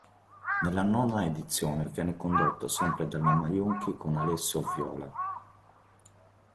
Nella nona edizione viene condotto sempre dalla Maionchi con Alessio Viola.